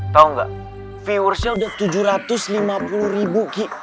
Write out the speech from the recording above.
tau gak viewersnya udah tujuh ratus lima puluh ribu ki